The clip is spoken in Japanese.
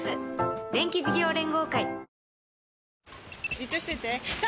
じっとしてて３！